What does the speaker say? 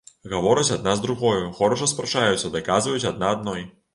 Гавораць адна з другою, горача спрачаюцца, даказваюць адна адной.